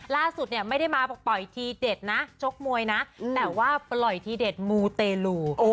ล่าสุดเนี่ยไม่ได้มาปล่อยทีเด็ดนะชกมวยนะแต่ว่าปล่อยทีเด็ดมูเตลู